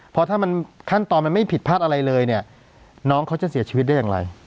เพราะถ้ามันขั้นตอนมันไม่ผิดพลาดอะไรเลยเนี่ยน้องเขาจะเสียชีวิตได้อย่างไร